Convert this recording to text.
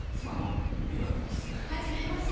初めまして。